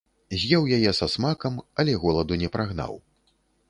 З'еў яе са смакам, але голаду не прагнаў.